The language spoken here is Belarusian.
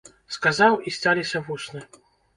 Сказаў, і сцяліся вусны.